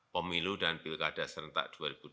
pemilu dan pilkada serentak dua ribu dua puluh